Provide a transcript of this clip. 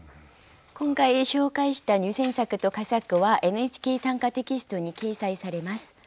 今回紹介した入選作と佳作は「ＮＨＫ短歌」テキストに掲載されます。